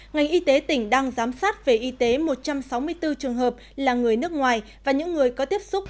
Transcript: ngành y tế tỉnh đang giám sát về y tế một trăm sáu mươi bốn trường hợp là người nước ngoài và những người có tiếp xúc